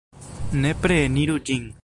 Nepre eniru ĝin!